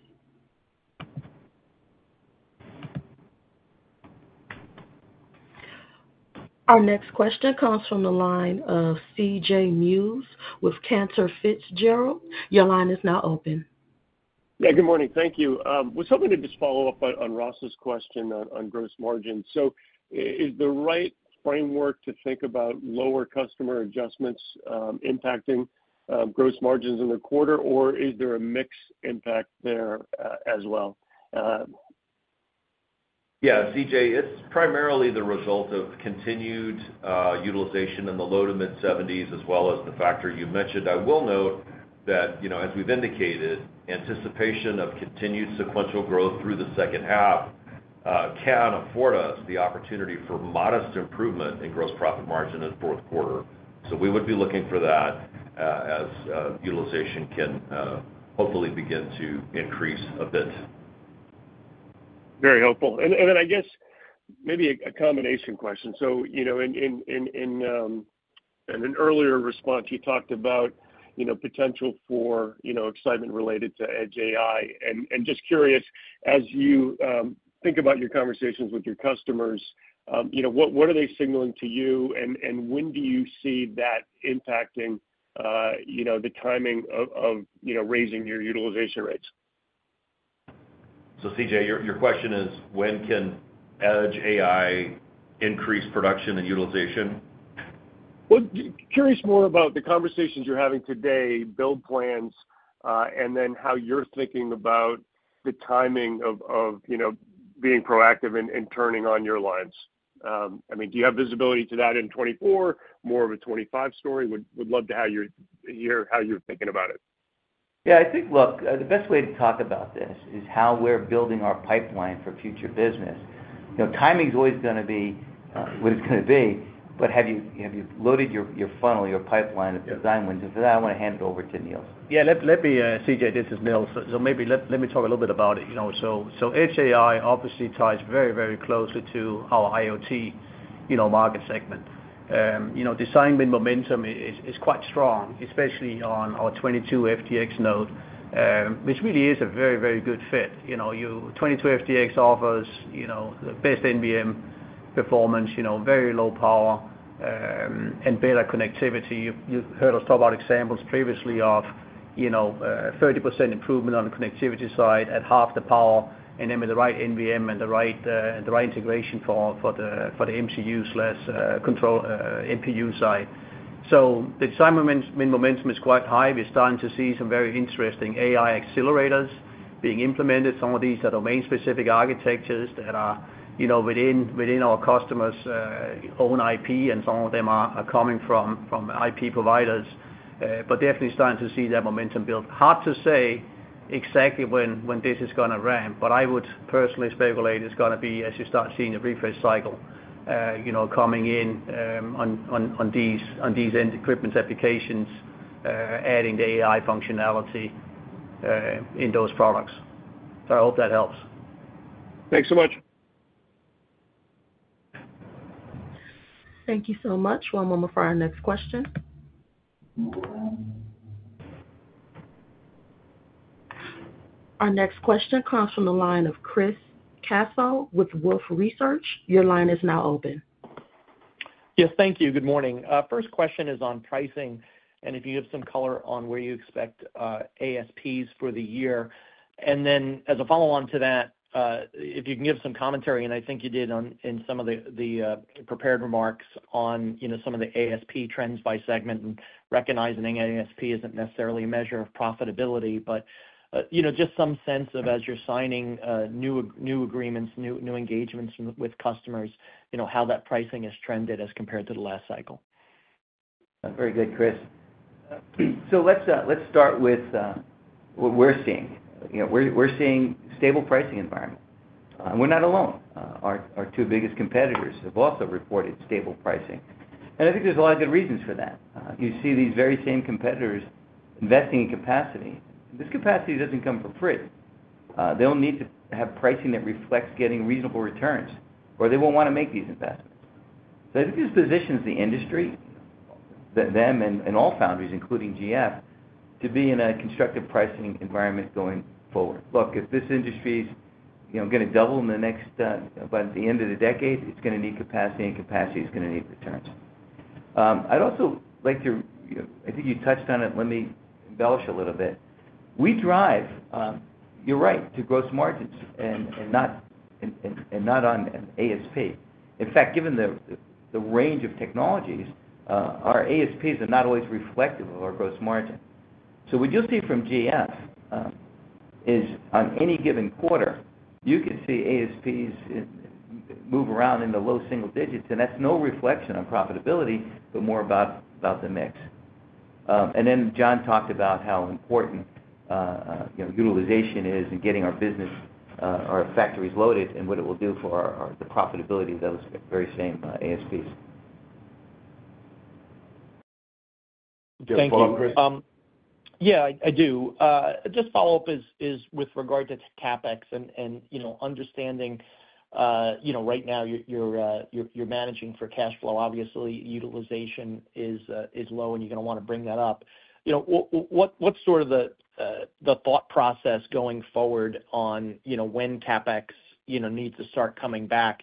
Our next question comes from the line of C.J. Muse with Cantor Fitzgerald. Your line is now open. Yeah, good morning. Thank you. I was hoping to just follow up on Ross's question on gross margins. So is the right framework to think about lower customer adjustments impacting gross margins in the quarter, or is there a mixed impact there as well? Yeah, C.J., it's primarily the result of continued utilization in the low- to mid-70s as well as the factor you mentioned. I will note that, as we've indicated, anticipation of continued sequential growth through the second half can afford us the opportunity for modest improvement in gross profit margin in the fourth quarter. So we would be looking for that as utilization can hopefully begin to increase a bit. Very helpful. And then I guess maybe a combination question. So in an earlier response, you talked about potential for excitement related to edge AI. And just curious, as you think about your conversations with your customers, what are they signaling to you, and when do you see that impacting the timing of raising your utilization rates? C.J., your question is, when can edge AI increase production and utilization? Well, curious more about the conversations you're having today, build plans, and then how you're thinking about the timing of being proactive and turning on your lines. I mean, do you have visibility to that in 2024, more of a 2025 story? Would love to hear how you're thinking about it. Yeah, I think, look, the best way to talk about this is how we're building our pipeline for future business. Timing's always going to be what it's going to be. But have you loaded your funnel, your pipeline of design windows? If not, I want to hand it over to Niels. Yeah, let me, C.J., this is Niels. So maybe let me talk a little bit about it. So edge AI obviously ties very, very closely to our IoT market segment. Design win momentum is quite strong, especially on our 22FDX node, which really is a very, very good fit. 22FDX offers the best NVM performance, very low power, and better connectivity. You heard us talk about examples previously of 30% improvement on the connectivity side at half the power, and then with the right NVM and the right integration for the MCU/Control NPU side. So the design win momentum is quite high. We're starting to see some very interesting AI accelerators being implemented. Some of these are domain-specific architectures that are within our customers' own IP, and some of them are coming from IP providers. But definitely starting to see that momentum build. Hard to say exactly when this is going to ramp, but I would personally speculate it's going to be as you start seeing a refresh cycle coming in on these equipment applications, adding the AI functionality in those products. So I hope that helps. Thanks so much. Thank you so much. One moment for our next question. Our next question comes from the line of Chris Caso with Wolfe Research. Your line is now open. Yes, thank you. Good morning. First question is on pricing and if you give some color on where you expect ASPs for the year. And then as a follow-on to that, if you can give some commentary, and I think you did in some of the prepared remarks on some of the ASP trends by segment and recognizing ASP isn't necessarily a measure of profitability, but just some sense of as you're signing new agreements, new engagements with customers, how that pricing has trended as compared to the last cycle? Very good, Chris. So let's start with what we're seeing. We're seeing a stable pricing environment. We're not alone. Our two biggest competitors have also reported stable pricing. And I think there's a lot of good reasons for that. You see these very same competitors investing in capacity. This capacity doesn't come for free. They'll need to have pricing that reflects getting reasonable returns, or they won't want to make these investments. So I think this positions the industry, them and all foundries, including GF, to be in a constructive pricing environment going forward. Look, if this industry's going to double in the next by the end of the decade, it's going to need capacity, and capacity is going to need returns. I'd also like to, I think you touched on it, let me embellish a little bit. We drive, you're right, to gross margins and not on an ASP. In fact, given the range of technologies, our ASPs are not always reflective of our gross margin. So what you'll see from GF is on any given quarter, you can see ASPs move around in the low single digits, and that's no reflection on profitability, but more about the mix. And then John talked about how important utilization is and getting our business, our factories loaded and what it will do for the profitability of those very same ASPs. Thank you, Chris. Yeah, I do. Just follow-up is with regard to CapEx and understanding right now you're managing for cash flow. Obviously, utilization is low, and you're going to want to bring that up. What's sort of the thought process going forward on when CapEx needs to start coming back?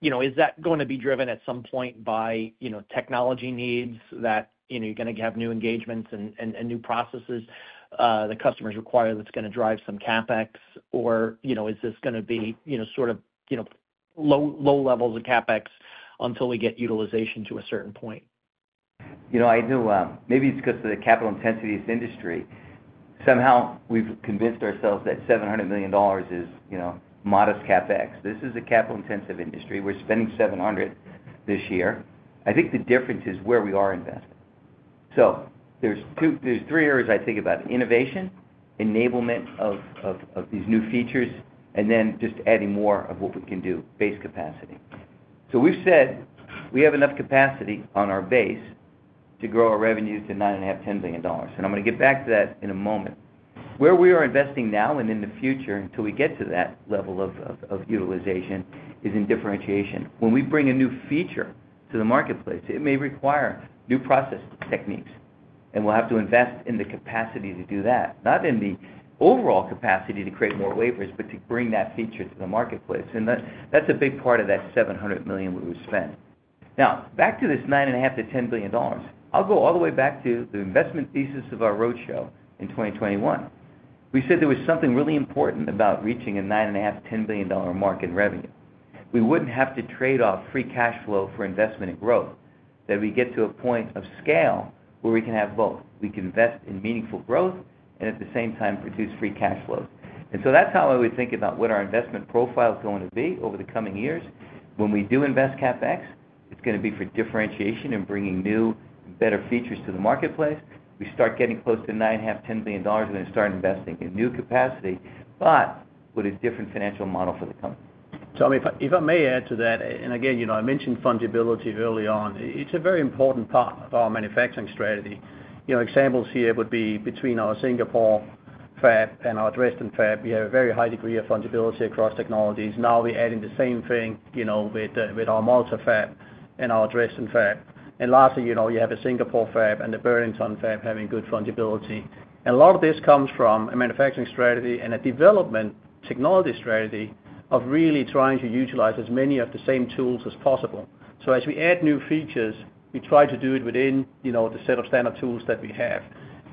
Is that going to be driven at some point by technology needs that you're going to have new engagements and new processes the customers require that's going to drive some CapEx, or is this going to be sort of low levels of CapEx until we get utilization to a certain point? I know maybe it's because of the capital-intensive industry. Somehow we've convinced ourselves that $700 million is modest CapEx. This is a capital-intensive industry. We're spending $700 million this year. I think the difference is where we are investing. So there's three areas I think about: innovation, enablement of these new features, and then just adding more of what we can do, base capacity. So we've said we have enough capacity on our base to grow our revenues to $9.5 billion-$10 billion. And I'm going to get back to that in a moment. Where we are investing now and in the future until we get to that level of utilization is in differentiation. When we bring a new feature to the marketplace, it may require new process techniques, and we'll have to invest in the capacity to do that, not in the overall capacity to create more wafers, but to bring that feature to the marketplace. And that's a big part of that $700 million we would spend. Now, back to this $9.5 billion-$10 billion. I'll go all the way back to the investment thesis of our roadshow in 2021. We said there was something really important about reaching a $9.5 billion-$10 billion market revenue. We wouldn't have to trade off free cash flow for investment and growth, that we get to a point of scale where we can have both. We can invest in meaningful growth and at the same time produce free cash flows. That's how I would think about what our investment profile is going to be over the coming years. When we do invest CapEx, it's going to be for differentiation and bringing new, better features to the marketplace. We start getting close to $9.5 billion, $10 billion, and then start investing in new capacity, but with a different financial model for the company. Tom, if I may add to that, and again, I mentioned fungibility early on. It's a very important part of our manufacturing strategy. Examples here would be between our Singapore fab and our Dresden fab. We have a very high degree of fungibility across technologies. Now we're adding the same thing with our Malta fab and our Dresden fab. And lastly, you have a Singapore fab and a Burlington fab having good fungibility. And a lot of this comes from a manufacturing strategy and a development technology strategy of really trying to utilize as many of the same tools as possible. So as we add new features, we try to do it within the set of standard tools that we have.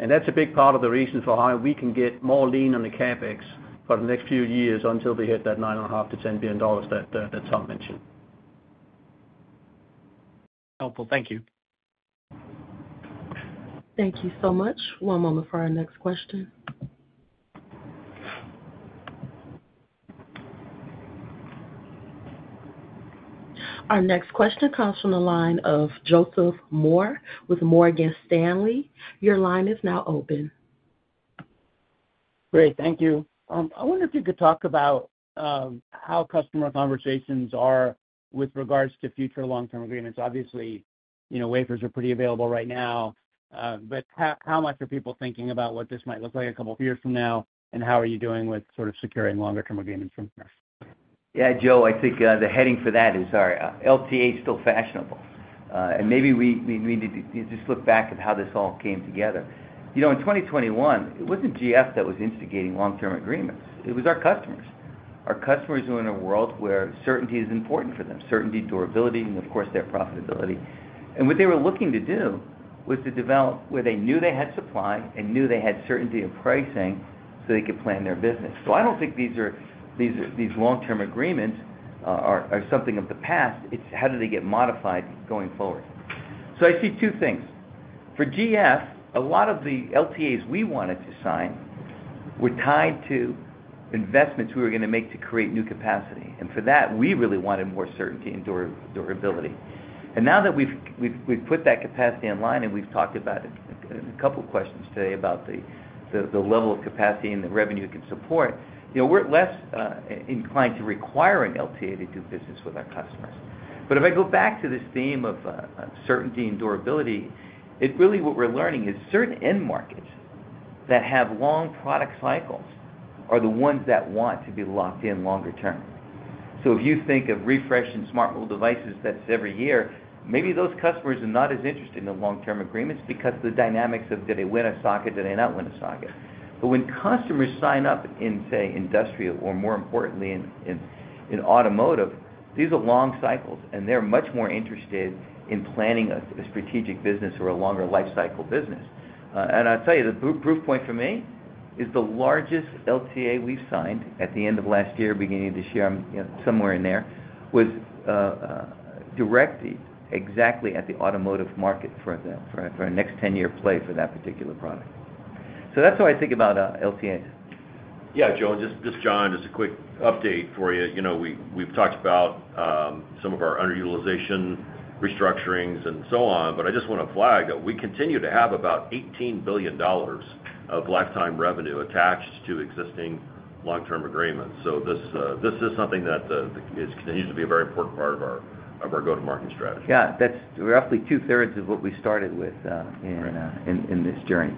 That's a big part of the reason for how we can get more lean on the CapEx for the next few years until we hit that $9.5 billion-$10 billion that Tom mentioned. Helpful. Thank you. Thank you so much. One moment for our next question. Our next question comes from the line of Joseph Moore with Morgan Stanley. Your line is now open. Great. Thank you. I wonder if you could talk about how customer conversations are with regards to future long-term agreements. Obviously, wafers are pretty available right now, but how much are people thinking about what this might look like a couple of years from now, and how are you doing with sort of securing longer-term agreements from there? Yeah, Joe, I think the heading for that is, "Are LTAs still fashionable?" And maybe we need to just look back at how this all came together. In 2021, it wasn't GF that was instigating long-term agreements. It was our customers. Our customers are in a world where certainty is important for them: certainty, durability, and of course, their profitability. And what they were looking to do was to develop where they knew they had supply and knew they had certainty in pricing so they could plan their business. So I don't think these long-term agreements are something of the past. It's how do they get modified going forward? So I see two things. For GF, a lot of the LTAs we wanted to sign were tied to investments we were going to make to create new capacity. And for that, we really wanted more certainty and durability. Now that we've put that capacity online and we've talked about it in a couple of questions today about the level of capacity and the revenue it can support, we're less inclined to require an LTA to do business with our customers. But if I go back to this theme of certainty and durability, really what we're learning is certain end markets that have long product cycles are the ones that want to be locked in longer term. So if you think of refresh and smart mobile devices that's every year, maybe those customers are not as interested in the long-term agreements because of the dynamics of did they win a socket, did they not win a socket. But when customers sign up in, say, industrial or more importantly in automotive, these are long cycles, and they're much more interested in planning a strategic business or a longer life cycle business. And I'll tell you, the proof point for me is the largest LTA we've signed at the end of last year, beginning of this year, somewhere in there, was directed exactly at the automotive market for a next 10-year play for that particular product. So that's how I think about LTAs. Yeah, Joe, just John, just a quick update for you. We've talked about some of our underutilization, restructurings, and so on, but I just want to flag that we continue to have about $18 billion of lifetime revenue attached to existing long-term agreements. So this is something that continues to be a very important part of our go-to-market strategy. Yeah, that's roughly two-thirds of what we started with in this journey.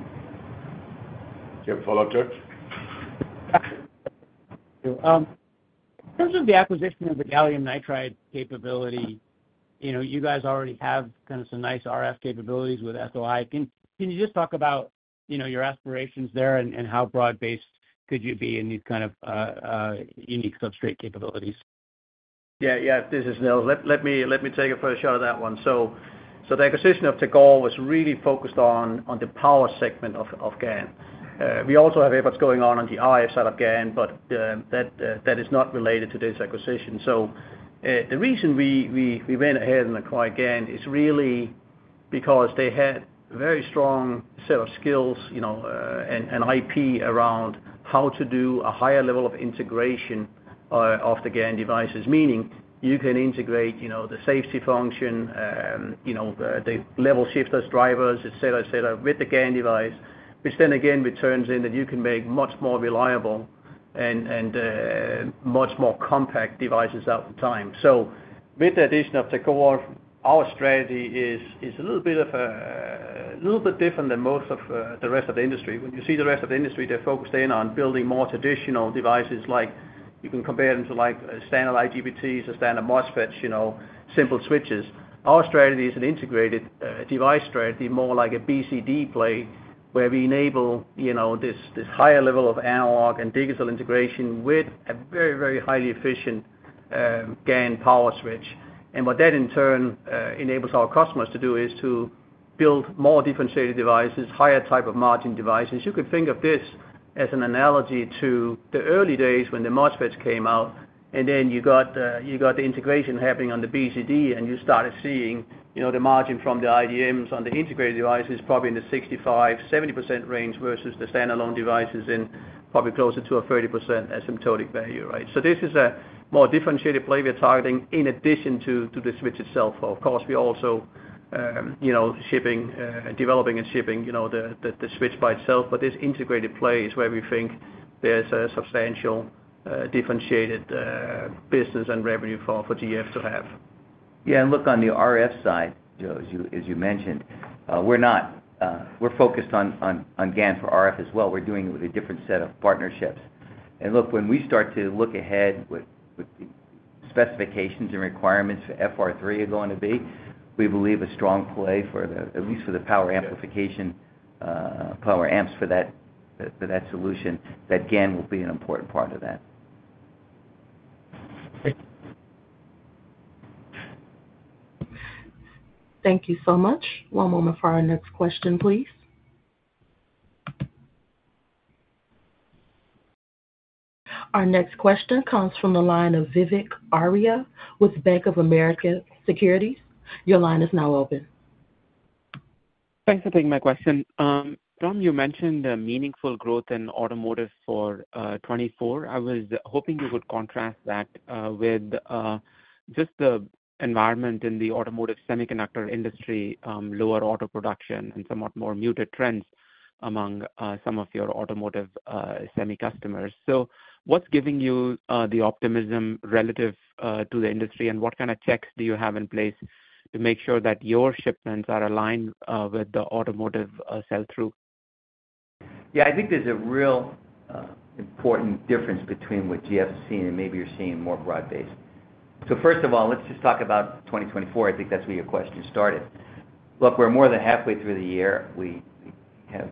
Do you have a follow-up, Joe? In terms of the acquisition of the gallium nitride capability, you guys already have kind of some nice RF capabilities with SOI. Can you just talk about your aspirations there and how broad-based could you be in these kind of unique substrate capabilities? Yeah, yeah, this is Niels. Let me take a further shot at that one. So the acquisition of Tagore was really focused on the power segment of GaN. We also have efforts going on on the RF side of GaN, but that is not related to this acquisition. So the reason we went ahead and acquired Tagore is really because they had a very strong set of skills and IP around how to do a higher level of integration of the GaN devices, meaning you can integrate the safety function, the level shifters, drivers, etc., etc. with the GaN device, which then again returns in that you can make much more reliable and much more compact devices out in time. So with the addition of Tagore, our strategy is a little bit different than most of the rest of the industry. When you see the rest of the industry, they're focused in on building more traditional devices. You can compare them to standard IGBTs, standard MOSFETs, simple switches. Our strategy is an integrated device strategy, more like a BCD play, where we enable this higher level of analog and digital integration with a very, very highly efficient GaN power switch. And what that in turn enables our customers to do is to build more differentiated devices, higher type of margin devices. You could think of this as an analogy to the early days when the MOSFETs came out, and then you got the integration happening on the BCD, and you started seeing the margin from the IDMs on the integrated devices probably in the 65%-70% range versus the standalone devices in probably closer to a 30% asymptotic value, right? This is a more differentiated play we're targeting in addition to the switch itself. Of course, we're also developing and shipping the switch by itself, but this integrated play is where we think there's a substantial differentiated business and revenue for GF to have. Yeah, and look on the RF side, Joe, as you mentioned, we're focused on GaN for RF as well. We're doing it with a different set of partnerships. And look, when we start to look ahead with specifications and requirements for FR3 are going to be, we believe a strong play for at least for the power amplification, power amps for that solution, that GaN will be an important part of that. Thank you so much. One moment for our next question, please. Our next question comes from the line of Vivek Arya with Bank of America Securities. Your line is now open. Thanks for taking my question. Tom, you mentioned meaningful growth in automotive for 2024. I was hoping you would contrast that with just the environment in the automotive semiconductor industry, lower auto production, and somewhat more muted trends among some of your automotive semi customers. So what's giving you the optimism relative to the industry, and what kind of checks do you have in place to make sure that your shipments are aligned with the automotive sell-through? Yeah, I think there's a real important difference between what GF's seeing and maybe you're seeing more broad-based. So first of all, let's just talk about 2024. I think that's where your question started. Look, we're more than halfway through the year. We have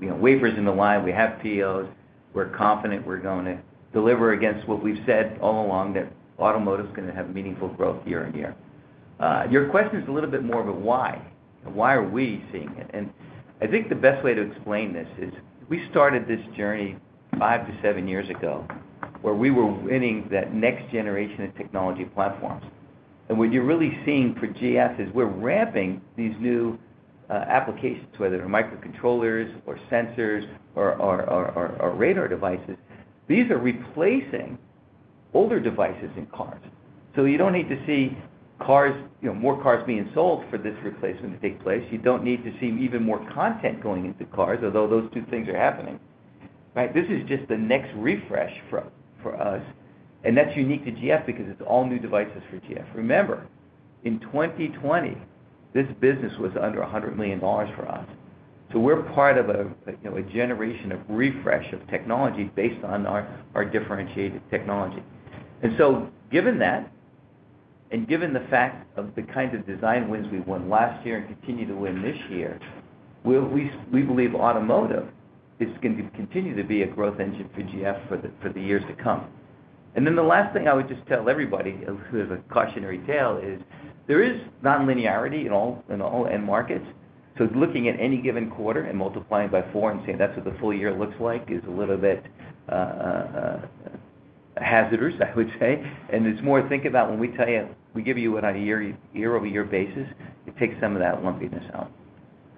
wafers in the line. We have POs. We're confident we're going to deliver against what we've said all along that automotive is going to have meaningful growth year-on-year. Your question is a little bit more of a why. Why are we seeing it? And I think the best way to explain this is we started this journey 5-7 years ago where we were winning that next generation of technology platforms. And what you're really seeing for GF is we're ramping these new applications, whether they're microcontrollers or sensors or radar devices. These are replacing older devices in cars. So you don't need to see more cars being sold for this replacement to take place. You don't need to see even more content going into cars, although those two things are happening. This is just the next refresh for us. That's unique to GF because it's all new devices for GF. Remember, in 2020, this business was under $100 million for us. We're part of a generation of refresh of technology based on our differentiated technology. So given that and given the fact of the kinds of design wins we won last year and continue to win this year, we believe automotive is going to continue to be a growth engine for GF for the years to come. Then the last thing I would just tell everybody who has a cautionary tale is there is non-linearity in all end markets. Looking at any given quarter and multiplying by four and saying that's what the full year looks like is a little bit hazardous, I would say. It's more think about when we tell you we give you a year-over-year basis, it takes some of that lumpiness out.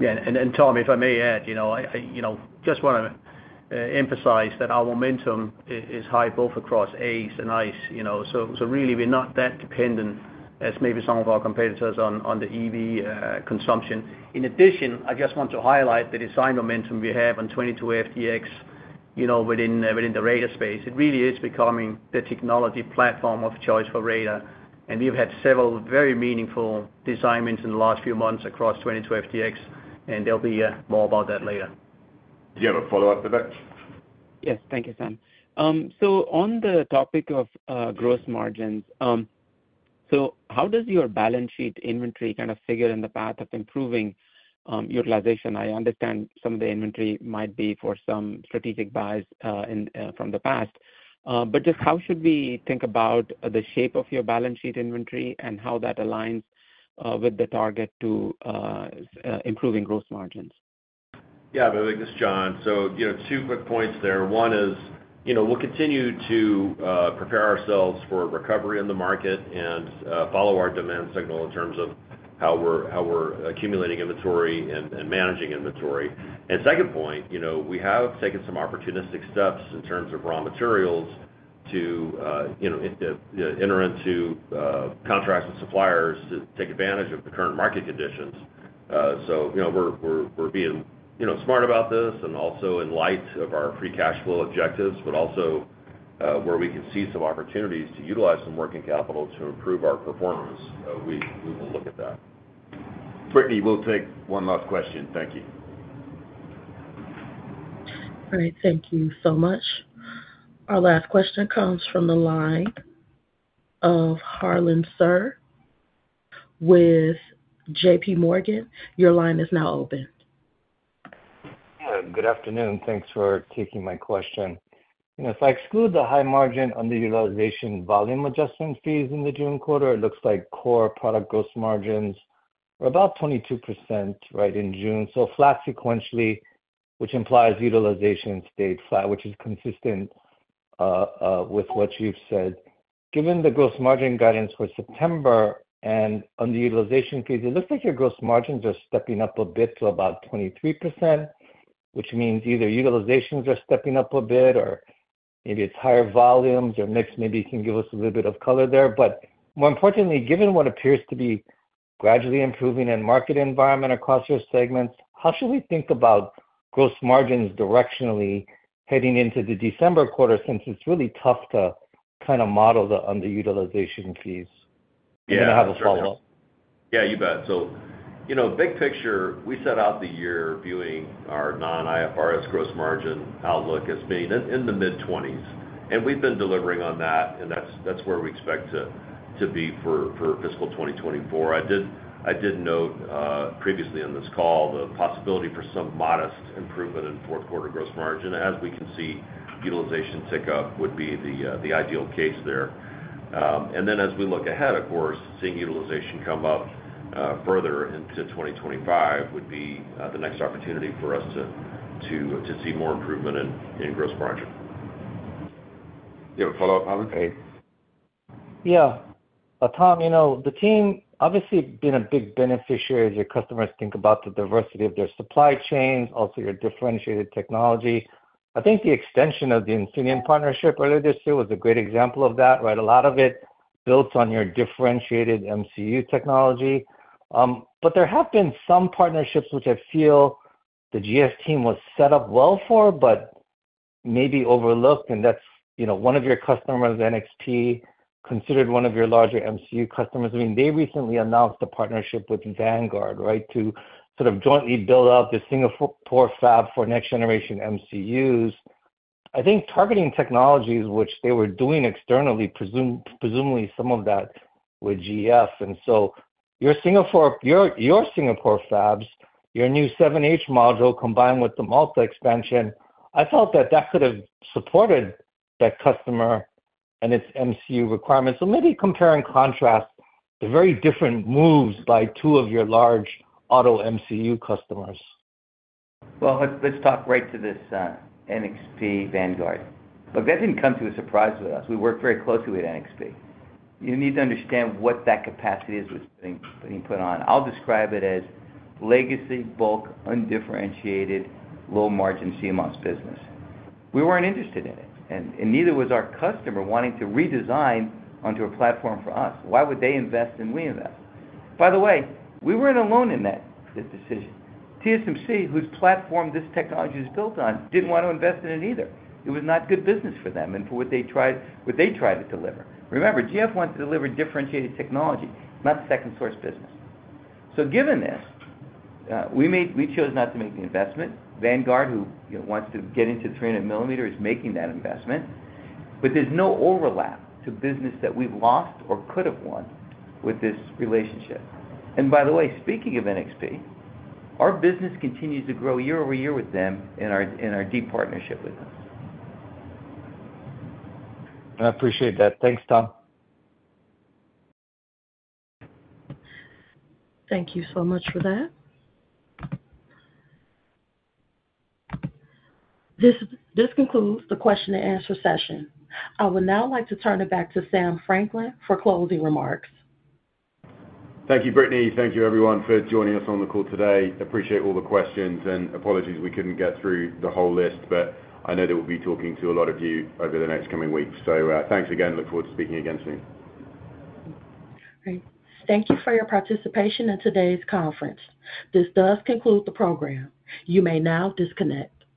Yeah. And Tom, if I may add, I just want to emphasize that our momentum is high both across ACE and ICE. So really, we're not that dependent as maybe some of our competitors on the EV consumption. In addition, I just want to highlight the design momentum we have on 22FDX within the radar space. It really is becoming the technology platform of choice for radar. And we've had several very meaningful design wins in the last few months across 22FDX, and there'll be more about that later. Do you have a follow-up to that? Yes, thank you, Sam. On the topic of gross margins, how does your balance sheet inventory kind of figure in the path of improving utilization? I understand some of the inventory might be for some strategic buys from the past. But just how should we think about the shape of your balance sheet inventory and how that aligns with the target to improving gross margins? Yeah, Vivek, this is John. So two quick points there. One is we'll continue to prepare ourselves for recovery in the market and follow our demand signal in terms of how we're accumulating inventory and managing inventory. And second point, we have taken some opportunistic steps in terms of raw materials to enter into contracts with suppliers to take advantage of the current market conditions. So we're being smart about this and also in light of our free cash flow objectives, but also where we can see some opportunities to utilize some working capital to improve our performance. We will look at that. Brittany, we'll take one last question. Thank you. All right. Thank you so much. Our last question comes from the line of Harlan Sur with J.P. Morgan. Your line is now open. Good afternoon. Thanks for taking my question. If I exclude the high margin underutilization volume adjustment fees in the June quarter, it looks like core product gross margins were about 22% right in June. So flat sequentially, which implies utilization stayed flat, which is consistent with what you've said. Given the gross margin guidance for September and underutilization fees, it looks like your gross margins are stepping up a bit to about 23%, which means either utilizations are stepping up a bit or maybe it's higher volumes. Your mix maybe can give us a little bit of color there. But more importantly, given what appears to be gradually improving in market environment across your segments, how should we think about gross margins directionally heading into the December quarter since it's really tough to kind of model the underutilization fees? I'm going to have a follow-up. Yeah, you bet. So big picture, we set out the year viewing our non-IFRS gross margin outlook as being in the mid-20s. And we've been delivering on that, and that's where we expect to be for fiscal 2024. I did note previously on this call the possibility for some modest improvement in fourth quarter gross margin. As we can see, utilization tick up would be the ideal case there. And then as we look ahead, of course, seeing utilization come up further into 2025 would be the next opportunity for us to see more improvement in gross margin. Do you have a follow-up, Harlan? Yeah. Tom, the team obviously being a big beneficiary as your customers think about the diversity of their supply chains, also your differentiated technology. I think the extension of the Infineon partnership earlier this year was a great example of that, right? A lot of it builds on your differentiated MCU technology. But there have been some partnerships which I feel the GF team was set up well for but maybe overlooked. And that's one of your customers, NXP, considered one of your larger MCU customers. I mean, they recently announced a partnership with Vanguard, right, to sort of jointly build out the Singapore fab for next generation MCUs. I think targeting technologies which they were doing externally, presumably some of that with GF. And so your Singapore fabs, your new 7H module combined with the Malta expansion, I felt that that could have supported that customer and its MCU requirements. Maybe compare and contrast the very different moves by two of your large auto MCU customers. Well, let's talk right to this NXP Vanguard. Look, that didn't come as a surprise with us. We worked very closely with NXP. You need to understand what that capacity is being put on. I'll describe it as legacy bulk, undifferentiated, low margin CMOS business. We weren't interested in it, and neither was our customer wanting to redesign onto a platform for us. Why would they invest and we invest? By the way, we weren't alone in that decision. TSMC, whose platform this technology is built on, didn't want to invest in it either. It was not good business for them and for what they tried to deliver. Remember, GF wants to deliver differentiated technology, not second source business. So given this, we chose not to make the investment. Vanguard, who wants to get into 300 millimeter, is making that investment. But there's no overlap to business that we've lost or could have won with this relationship. And by the way, speaking of NXP, our business continues to grow year-over-year with them in our deep partnership with them. I appreciate that. Thanks, Tom. Thank you so much for that. This concludes the question and answer session. I would now like to turn it back to Sam Franklin for closing remarks. Thank you, Brittany. Thank you, everyone, for joining us on the call today. Appreciate all the questions. Apologies, we couldn't get through the whole list, but I know that we'll be talking to a lot of you over the next coming week. Thanks again. Look forward to speaking again soon. Thank you for your participation in today's conference. This does conclude the program. You may now disconnect.